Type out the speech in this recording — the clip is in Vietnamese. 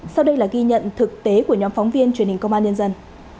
sau đây là ghi nhận thực tế của nhóm phóng viên truyền hình công an nhân dân